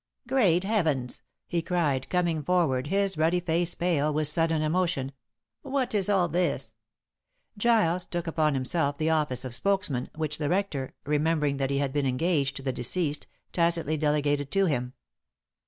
"Great heavens!" he cried, coming forward, his ruddy face pale with sudden emotion. "What is all this?" Giles took upon himself the office of spokesman, which the rector, remembering that he had been engaged to the deceased, tacitly delegated to him.